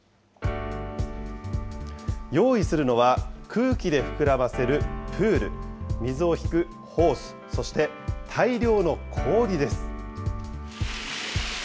用意するのは、空気で膨らませるプール、水を引くホース、そして大量の氷です。